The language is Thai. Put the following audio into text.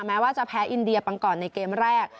แม้ว่าจะแพ้อินเดียปังก่อนในเกมแรก